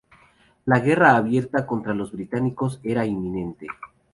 La guerra abierta contra los británicos era inminente.